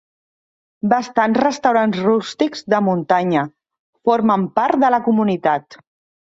Bastants restaurants rústics de muntanya, formen part de la comunitat.